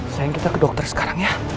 sayang kita ke dokter sekarang ya